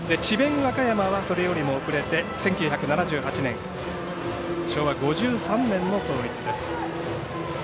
和歌山はそれよりも遅れて１９７８年昭和５３年の創立です。